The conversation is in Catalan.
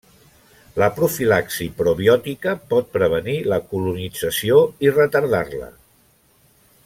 La profilaxi probiòtica pot prevenir la colonització i retardar-la.